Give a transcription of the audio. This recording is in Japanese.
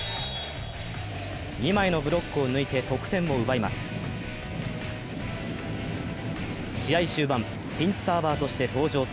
二枚のブロックを抜いて得点を奪います。